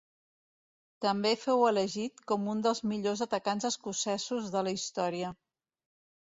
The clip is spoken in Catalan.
També fou elegit com un dels millors atacants escocesos de la història.